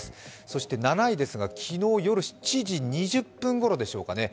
そして７位ですが、昨日夜７時２０分ごろですかね。